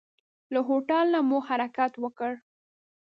له هوټل نه مو حرکت وکړ.